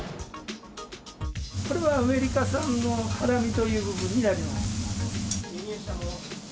これはアメリカ産のハラミという部分になります。